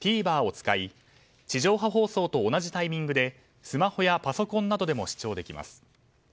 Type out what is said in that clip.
ＴＶｅｒを使い地上波放送と同じタイミングでスマホやパソコンなどでも視聴できます。